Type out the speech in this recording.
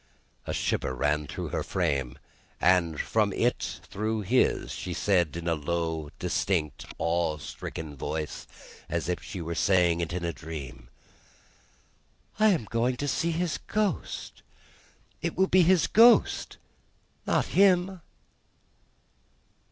A shiver ran through her frame, and from it through his. She said, in a low, distinct, awe stricken voice, as if she were saying it in a dream, "I am going to see his Ghost! It will be his Ghost not him!"